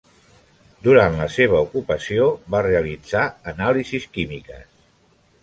Durant la seva ocupació va realitzar anàlisis químiques.